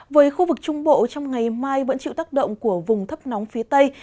với khu vực trung bộ trong ngày mai vẫn chịu tác động của vùng thấp nóng phía tây